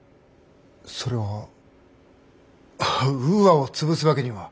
それはウーアを潰すわけには。